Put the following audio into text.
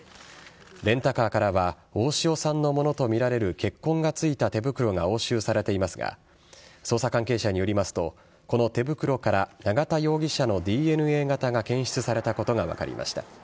レンタカーからは大塩さんのものとみられる血痕がついた手袋が押収されていますが捜査関係者によりますとこの手袋から永田容疑者のＤＮＡ型が検出されたことが分かりました。